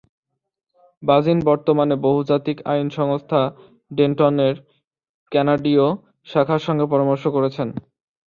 বাজিন বর্তমানে বহুজাতিক আইন সংস্থা ডেন্টনের কানাডীয় শাখার সঙ্গে পরামর্শ করছেন।